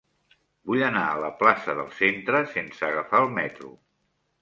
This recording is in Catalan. Vull anar a la plaça del Centre sense agafar el metro.